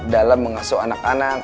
dalam mengasuh anak anak